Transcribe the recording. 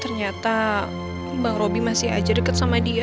ternyata bang roby masih aja deket sama dia